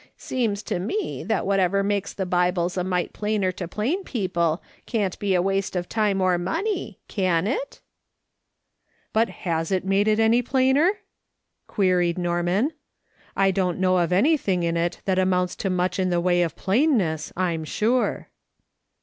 Seems to me that whatever makes the Bibles a mite plainer to plain people can't be a waste of time or money, can it ?"" But has it made it any plainer ?" queried Nor man, " I don't know of anything in it that amounts to much in the way of plainness, I'm sure."